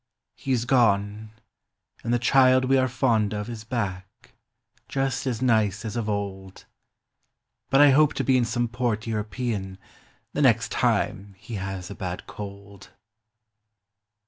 He's gone, and the child we are fond of Is back, just as nice as of old. But I hope to be in some port European The next time he has a bad cold.